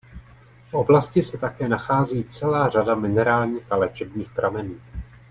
V oblasti se také nachází celá řada minerálních a léčebných pramenů.